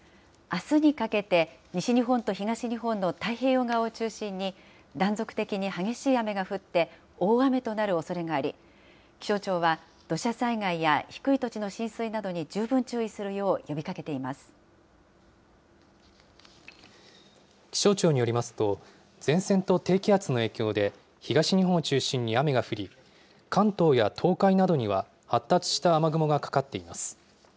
あすにかけて、西日本と東日本の太平洋側を中心に、断続的に激しい雨が降って、大雨となるおそれがあり、気象庁は、土砂災害や低い土地の浸水などに十分注意するよう呼びかけていま気象庁によりますと、前線と低気圧の影響で、東日本を中心に雨が降り、関東や東海などには発達した雨雲がかかっています。